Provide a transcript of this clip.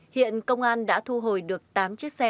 hiện công an đã thu hồi được tám chiếc xe